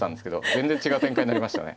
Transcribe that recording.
全然違う展開になりましたね。